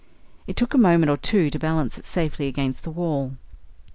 It took a moment or two to balance it safely against the wall.